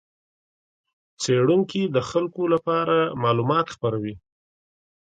څېړونکي د خلکو لپاره معلومات خپروي.